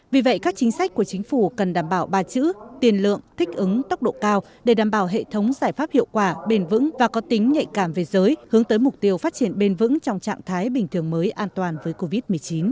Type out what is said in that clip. vì vậy các chính sách của chính phủ cần đảm bảo ba chữ tiền lượng thích ứng tốc độ cao để đảm bảo hệ thống giải pháp hiệu quả bền vững và có tính nhạy cảm về giới hướng tới mục tiêu phát triển bền vững trong trạng thái bình thường mới an toàn với covid một mươi chín